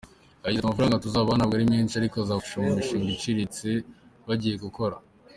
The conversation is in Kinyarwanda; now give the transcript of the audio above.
Yagize ati”Amafaranga tuzabaha ntabwo ari menshi ariko azabafasha mu mishinga iciriritse bagiye gukora.